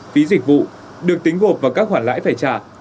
phí dịch vụ được tính gộp vào các khoản lãi phải trả